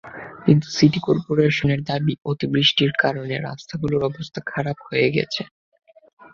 কিন্তু সিটি করপোরেশনের দাবি, অতিবৃষ্টির কারণে রাস্তাগুলোর অবস্থা খারাপ হয়ে গেছে।